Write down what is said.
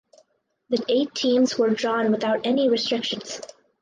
The eight teams were drawn without any restrictions.